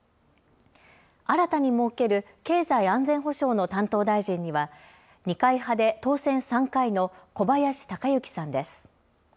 新たに設ける経済安全保障の担当大臣には二階派で当選３回の小林鷹之さんです。